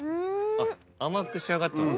甘く仕上がってます？